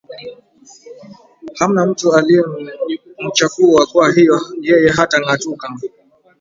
hamna mtu aliyemchakua kwa hivyo yeye hatang atuka